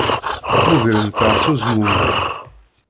Mmugrent-aɣ s uzmumeg.